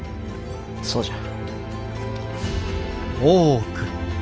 そうじゃ。